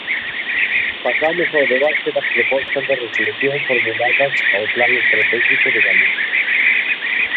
Pasamos ao debate das propostas de resolución formuladas ao Plan estratéxico de Galicia.